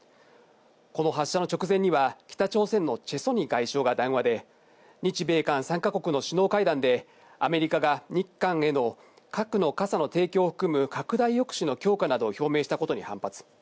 この発射の直前には北朝鮮のチェ・ソニ外相が談話で日米韓３か国の首脳会談でアメリカが日韓への「核の傘」の提供を含む拡大抑止の強化などを表明したことに反発。